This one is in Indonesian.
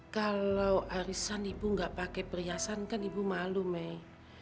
kalau arisan ibu nggak pakai perhiasan kan ibu malu mei